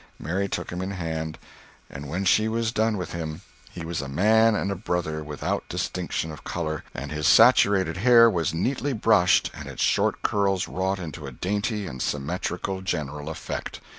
Mary took him in hand, and when she was done with him he was a man and a brother, without distinction of color, and his saturated hair was neatly brushed, and its short curls wrought into a dainty and symmetrical general effect.